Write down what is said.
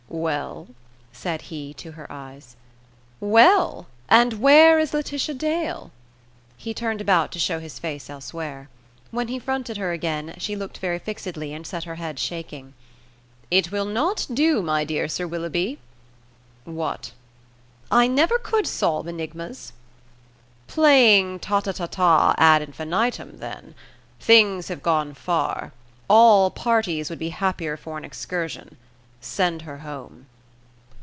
"Well?" said he to her eyes. "Well, and where is Laetitia Dale?" He turned about to show his face elsewhere. When he fronted her again, she looked very fixedly, and set her head shaking. "It will not do, my dear Sir Willoughby!" "What?" "I never could solve enigmas." "Playing ta ta ta ta ad infinitum, then. Things have gone far. All parties would be happier for an excursion. Send her home."